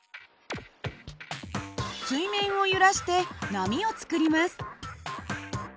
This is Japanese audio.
水面を揺らして波を作ります。